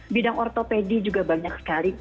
bidang ortopedi juga banyak sekali